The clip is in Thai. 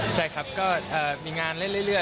ใช่ครับก็มีงานเล่น